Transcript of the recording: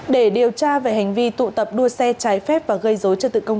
để điều tra về hành vi tụ tập đua xe trái phép và gây dối trật tự công cộng